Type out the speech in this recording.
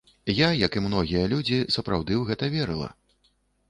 Я, як і многія людзі, сапраўды ў гэта верыла.